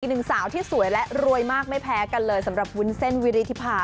สาวที่สวยและรวยมากไม่แพ้กันเลยสำหรับวุ้นเส้นวิริธิภา